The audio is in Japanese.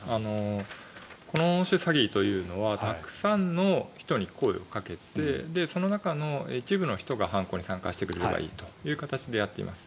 この詐欺というのはたくさんの人に声をかけてその中の一部の人が犯行に参加してくれればいいという形でやっています。